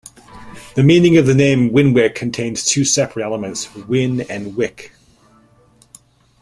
The meaning of the name Winwick contains two separate elements, 'Win' and 'wic'.